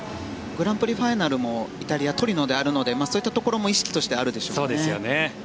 グランプリファイナルもイタリア・トリノであるのでそういったところも意識としてあるでしょうね。